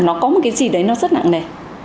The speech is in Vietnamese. nó có một cái gì đấy nó rất nặng nề